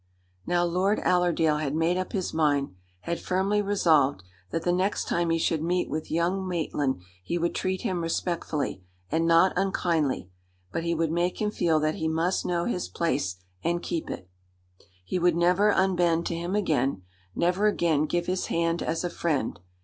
Now Lord Allerdale had made up his mind had firmly resolved that the next time he should meet with young Maitland he would treat him respectfully, and not unkindly; but he would make him feel that he must know his place and keep it. He would never unbend to him again never again give his hand as a friend.